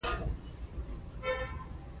احمد لاس ور ونيول؛ نور مرسته نه کوي.